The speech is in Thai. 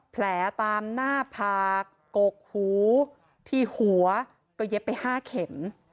ตามหน้าผากกหูที่หัวก็เย็บไป๕เข็ม